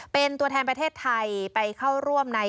เป็นตัวแทนประเทศไทยไปเข้าร่วมใน